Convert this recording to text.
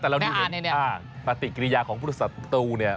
แต่เราดูเห็นปฏิกิริยาของผู้สัตว์ตัวเนี่ย